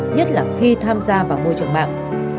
nhất là khi tham gia vào môi trường mạng